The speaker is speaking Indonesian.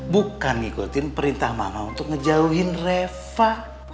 bukan ngikutin perintah mama untuk ngejauhin reva